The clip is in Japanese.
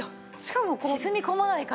沈み込まないから。